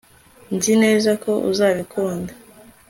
nzi neza ko uzabikunda